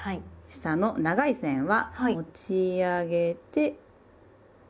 下の長い線は持ち上げて下がります。